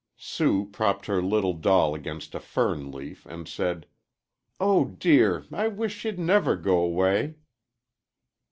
Sue propped her little doll against a fern leaf and said: "Oh, dear! I wish she'd never go 'way."